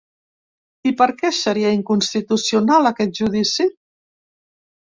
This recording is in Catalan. I per què seria inconstitucional, aquest judici?